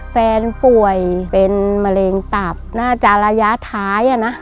แฟนป่วยเป็นมะเร็งตับน่าจะระยะท้ายอ่ะนะ